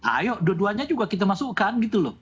ayo dua duanya juga kita masukkan gitu loh